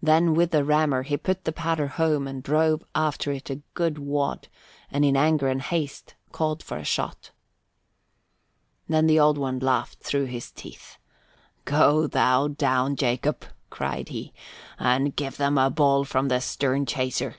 Then with the rammer he put the powder home and drove after it a good wad and in anger and haste called for a shot. Then the Old One laughed through his teeth. "Go thou down, Jacob," cried he, "and give them a ball from the stern chaser.